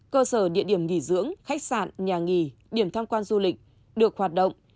cơ sở địa điểm nghỉ dưỡng khách sạn nhà nghỉ điểm tham quan du lịch được hoạt động